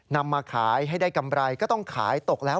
นำมาขายให้ได้กำไรก็ต้องขายตกแล้ว